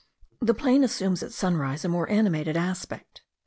The plain assumes at sunrise a more animated aspect.